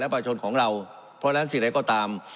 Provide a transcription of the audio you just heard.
ประชาชนของเราเพราะฉะนั้นสิ่งใดก็ตาม